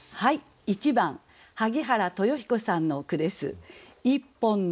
１番萩原豊彦さんの句です。